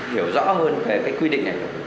hiểu rõ hơn về cái quy định này không